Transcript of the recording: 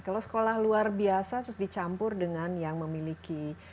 kalau sekolah luar biasa terus dicampur dengan yang memiliki